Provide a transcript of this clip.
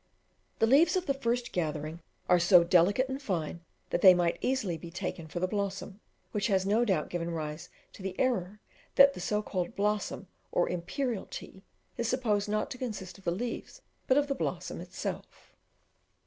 The leaves of the first gathering are so delicate and fine that they might easily be taken for the blossom, which has no doubt given rise to the error that the so called "bloom or imperial tea" is supposed not to consist of the leaves but of the blossom itself.